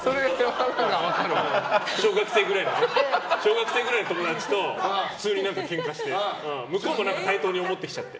小学生くらいの友達と普通にケンカして向こうも対等に思ってきちゃって。